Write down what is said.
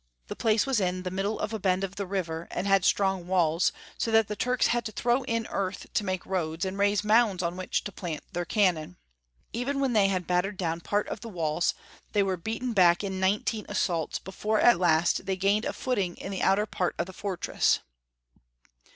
The place was in the middle of a bend of the river, and had strong walls, so that the Turks had to throAV in earth to make roads, and raise mounds on which to plant their cannon. Even when they had battered down part of the walls, they were beaten back in nineteen assaults before at last they gained a footing in the outer part of the fortress.